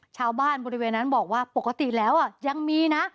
บริเวณนั้นบอกว่าปกติแล้วยังมีนะ